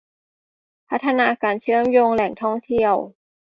พัฒนาการเชื่อมโยงแหล่งท่องเที่ยว